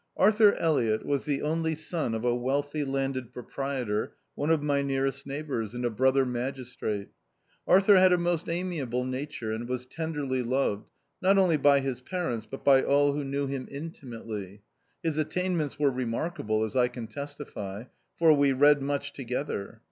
Arthur Elliott was the only son of a wealthy landed proprietor, one of my nearest neighbours, and a brother magis trate. Arthur had a most amiable nature, and was tenderly loved, not only by his parents, but by all who knew him inti mately. His attainments were remarkable, as I can testify ; for we read much together.